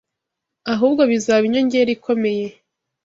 ahubwo bizaba inyongera ikomeye